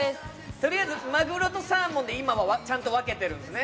とりあえずマグロとサーモンで今はちゃんと分けてるんですね。